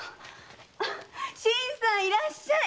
新さんいらっしゃい。